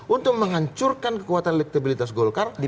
untuk menghancurkan kekuatan elektabilitas golkar